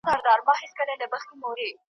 زه به دا وروستي نظمونه ستا په نامه ولیکم .